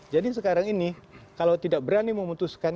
jadi sekarang ini kalau tidak berani memutuskan